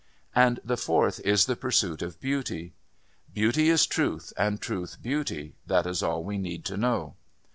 And the fourth is the pursuit of Beauty. 'Beauty is Truth and Truth Beauty. That is all we need to know.'